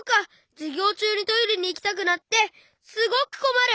じゅぎょうちゅうにトイレにいきたくなってすごくこまる！